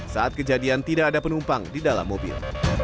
saat kejadian tidak ada penumpang di dalam mobil